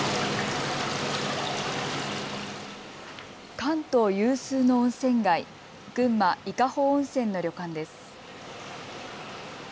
関東有数の温泉街、群馬、伊香保温泉の旅館です。